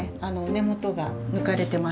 根元が抜かれてます。